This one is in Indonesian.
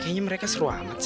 kayaknya mereka seru amat sih